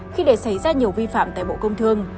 khi để xảy ra nhiều vi phạm tại bộ công thương